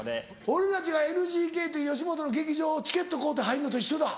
俺たちがＮＧＫっていう吉本の劇場チケット買うて入んのと一緒だ。